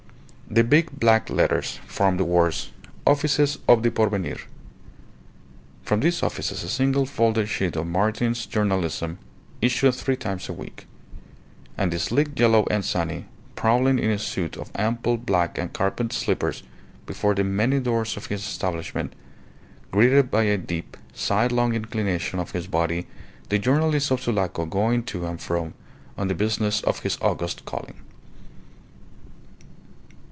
The big black letters formed the words, "Offices of the Porvenir." From these offices a single folded sheet of Martin's journalism issued three times a week; and the sleek yellow Anzani prowling in a suit of ample black and carpet slippers, before the many doors of his establishment, greeted by a deep, side long inclination of his body the Journalist of Sulaco going to and fro on the business of his august calling.